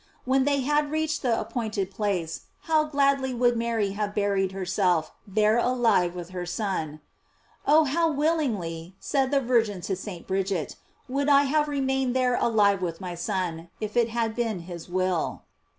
When they had reached the appointed place, how gladly would Mary have buried her self there alive with her Son! "Oh how will ingly," said the Virgin to St. Bridget, "would I have remained there alive with my Son, if it had been his will!"